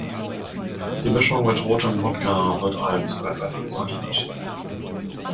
Die Mischung mit rotem Wodka wird als "Red-Red" bezeichnet.